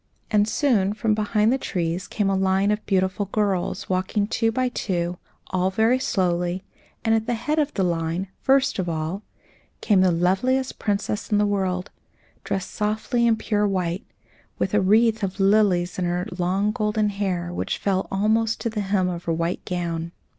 And soon from behind the trees came a line of beautiful girls, walking two by two, all very slowly; and at the head of the line, first of all, came the loveliest princess in the world, dressed softly in pure white, with a wreath of lilies on her long golden hair, which fell almost to the hem of her white gown.